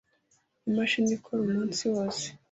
Imashini ikora umunsi wose.